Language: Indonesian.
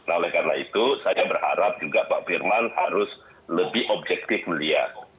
nah oleh karena itu saya berharap juga pak firman harus lebih objektif melihat